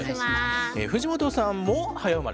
藤本さんも早生まれ？